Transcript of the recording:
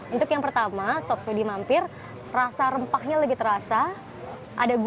untuk yang pertama sop sudi mampir rasa rempahnya lebih terasa